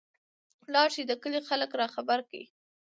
لاړشى د کلي خلک راخبر کړى.